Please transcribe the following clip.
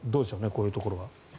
こういうところは。